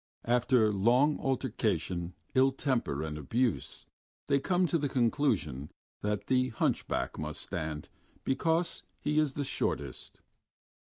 After a long altercation, ill temper, and abuse, they come to the conclusion that the hunchback must stand because he is the shortest.